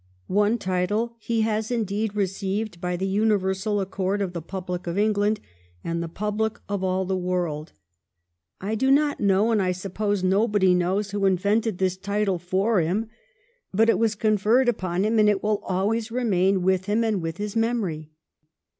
One title he has indeed received by the universal accord of the public of England and the public of all the world. I do not know, and I suppose no body knows, who invented this title for him, but it 428 "THE GRAND OLD MAN" 429 was conferred upon him and it will always remain with him and with his memory.